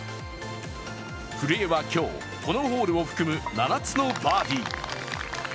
古江は今日、このホールを含む７つのバーディー。